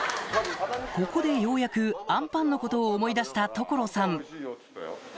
ここでようやくあんパンのことを思い出した所さん